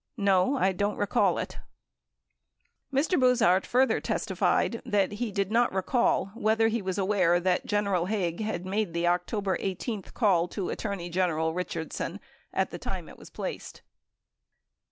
No, I don't recall it . 1 Mr. Buzhardt further testified that he did not recall whether he was aware that General Haig had made the October 18 call to Attorney General Richardson at the time it was placed.